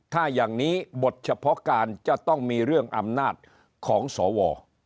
ถ้าอย่างนี้บทเฉพาะการจะต้องมีเรื่องอำนาจของสว